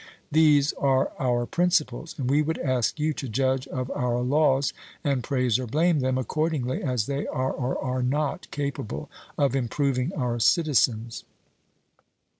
These are our principles, and we would ask you to judge of our laws, and praise or blame them, accordingly as they are or are not capable of improving our citizens.